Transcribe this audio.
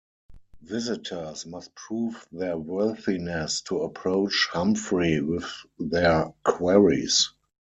Visitors must prove their worthiness to approach Humphrey with their queries.